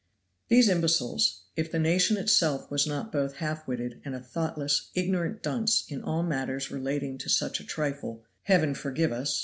These imbeciles, if the nation itself was not both half witted and a thoughtless, ignorant dunce in all matters relating to such a trifle (Heaven forgive us!)